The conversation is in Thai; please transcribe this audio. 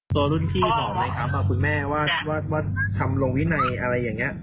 ตัวรุ่นพี่บอกไหมครับคุณแม่ว่าทำลงวินัยอะไรอย่างนี้